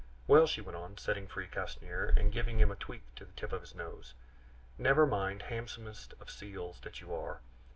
Well," she went on, setting free Castanier, and giving a tweak to the tip of his nose, "never mind, handsomest of seals that you are.